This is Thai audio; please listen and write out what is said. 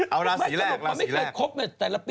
เอาลาสีแรกลาสีแรก